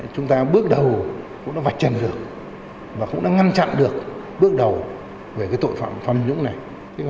chúng ta bước đầu cũng đã vạch trần được và cũng đã ngăn chặn được bước đầu về tội phạm tham nhũng này